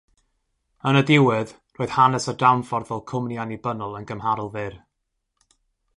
Yn y diwedd, roedd hanes y dramffordd fel cwmni annibynnol yn gymharol fyr.